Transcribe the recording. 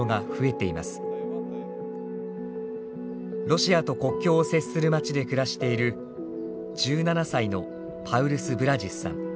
ロシアと国境を接する町で暮らしている１７歳のパウルス・ブラジスさん。